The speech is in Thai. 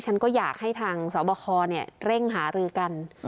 ฉันก็อยากให้ทางสบคเร่งหารือกัน